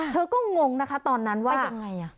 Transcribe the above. ค่ะเธอก็งงนะคะตอนนั้นว่าไปยังไงอ่ะ